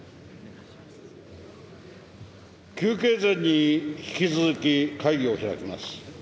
休憩前に引き続き、会議を開きます。